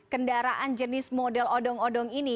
kendaraan jenis model odong odong ini